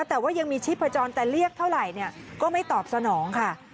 แต่ว่ายังมีชีพจรแต่เรียกเท่าไหร่ก็ไม่ตอบสนองค่ะ